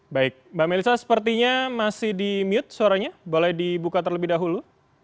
baik mbak melisa sepertinya masih di mute suaranya boleh dibuka terlebih dahulu